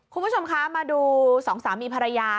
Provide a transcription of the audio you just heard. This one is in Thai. คุณผู้ชมคะมาดูสองสามีภรรยา